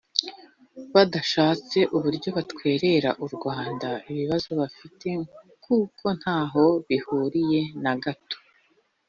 badashatse uburyo batwerera u Rwanda ibibazo bafite kuko ntaho bihuriye na gato”